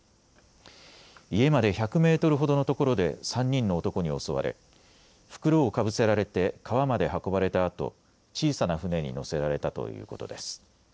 家まで１００メートルほどのところで３人の男に襲われ袋をかぶせられて川まで運ばれたあと、小さな船に乗せられたということです。